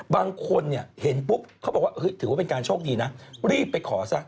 บางคนเนี่ยเห็นปุ๊บเขาบอกว่าถือว่าเป็นการโชคดีนะรีบไปขอซะ